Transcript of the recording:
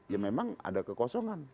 ya memang ada kekosongan